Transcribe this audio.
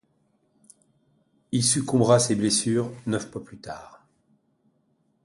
Il succombera à ses blessures neuf mois plus tard.